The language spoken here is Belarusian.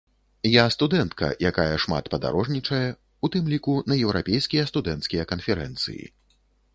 Я студэнтка, якая шмат падарожнічае, ў тым ліку на еўрапейскія студэнцкія канферэнцыі.